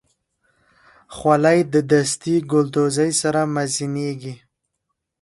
خولۍ د دستي ګلدوزۍ سره مزینېږي.